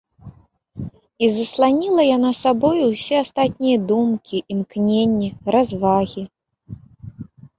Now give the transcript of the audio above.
І засланіла яна сабою ўсе астатнія думкі, імкненні, развагі.